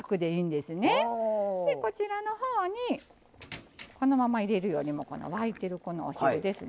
でこちらのほうにこのまま入れるよりもこの沸いてるこのお汁ですね。